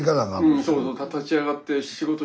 うんそうそう。